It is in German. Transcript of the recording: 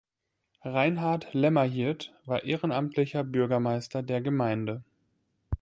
Reinhard Lämmerhirt war ehrenamtlicher Bürgermeister der Gemeinde.